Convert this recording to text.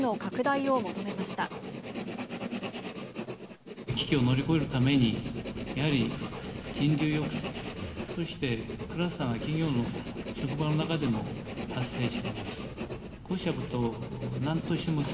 危機を乗り越えるために、やはり人流抑制、そして、クラスターが企業の職場の中でも発生してます。